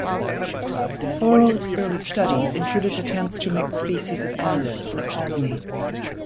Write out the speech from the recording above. Forel's early studies included attempts to mix species of ants in a colony.